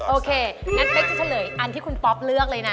โอเคงั้นเป๊กจะเฉลยอันที่คุณป๊อปเลือกเลยนะ